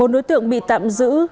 bốn đối tượng bị tạm giữ